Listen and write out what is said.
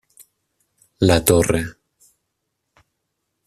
La Torre.